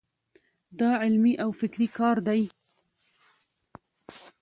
دا علمي او فکري کار دی.